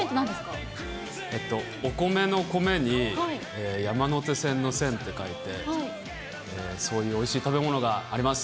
お米の米に山手線の線って書いて、そういうおいしい食べ物があります。